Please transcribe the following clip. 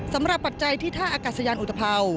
สำหรับปัจจัยที่ท่าอากาศยานอุตพราว